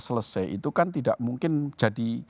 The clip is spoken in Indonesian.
selesai itu kan tidak mungkin jadi